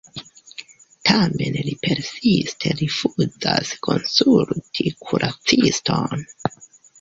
Tamen li persiste rifuzas konsulti kuraciston.